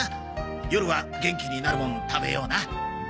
夜は元気になるもん食べような。